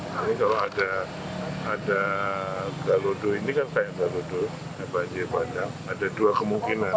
tapi kalau ada galodo ini kan kayak galodo banjir bandang ada dua kemungkinan